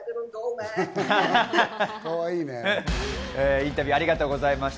インタビューありがとうございました。